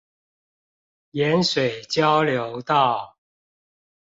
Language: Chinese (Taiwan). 鹽水交流道